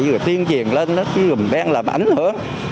người tiên truyền lên nó cứ gùm đen làm ảnh hưởng